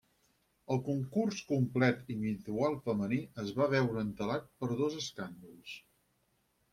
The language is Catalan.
El concurs complet individual femení es va veure entelat per dos escàndols.